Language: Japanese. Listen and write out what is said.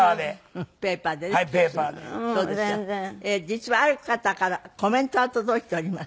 実はある方からコメントが届いております。